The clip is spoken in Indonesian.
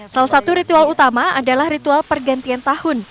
salah satu ritual utama adalah ritual pergantian tahun